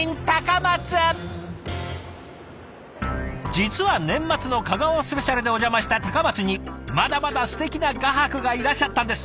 実は年末の「香川スペシャル」でお邪魔した高松にまだまだすてきな画伯がいらっしゃったんです。